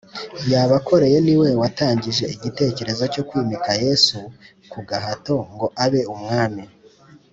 yabakoreye ni we watangije igitekerezo cyo kwimika yesu ku gahato ngo abe umwami